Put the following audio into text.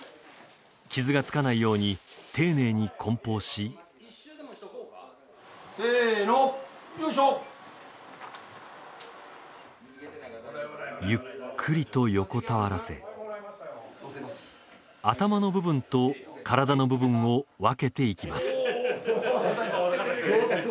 傷がつかないように、丁寧に梱包しゆっくりと横たわらせ頭の部分と体の部分を分けていきます。